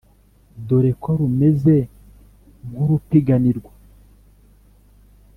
dore ko rumeze nk`urupiganirwa;